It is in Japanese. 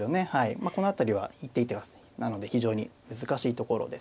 まあこの辺りは一手一手がなので非常に難しいところですね。